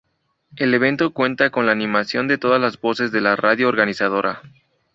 El evento cuenta con la animación de todas las voces de la radio organizadora.